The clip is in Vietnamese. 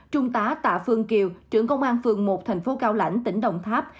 trung tá tạ phương kiều trưởng công an phường một thành phố cao lãnh tỉnh đồng tháp